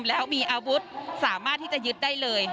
แล้วมีอาวุธสามารถที่จะยึดได้เลย